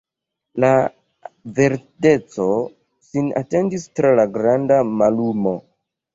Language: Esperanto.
Ia verdeco sin etendis tra la granda mallumo.